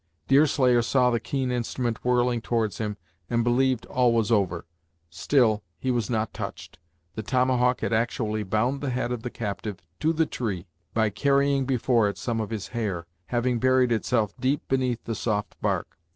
Deerslayer saw the keen instrument whirling towards him, and believed all was over; still, he was not touched. The tomahawk had actually bound the head of the captive to the tree, by carrying before it some of his hair, having buried itself deep beneath the soft bark.